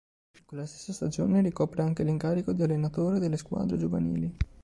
In quella stessa stagione ricopre anche l'incarico di allenatore delle squadre giovanili.